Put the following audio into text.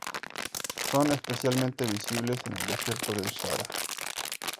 Son especialmente visibles en el desierto del Sahara.